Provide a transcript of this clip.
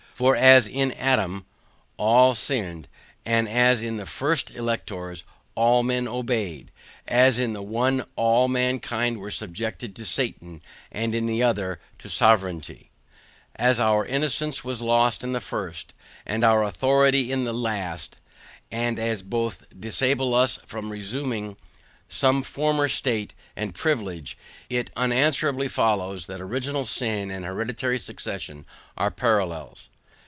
For as in Adam all sinned, and as in the first electors all men obeyed; as in the one all mankind were subjected to Satan, and in the other to Sovereignty; as our innocence was lost in the first, and our authority in the last; and as both disable us from reassuming some former state and privilege, it unanswerably follows that original sin and hereditary succession are parallels.